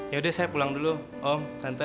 ya udah saya pulang dulu om tante